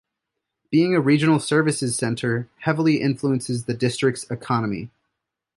Being a regional services centre heavily influences the district's economy.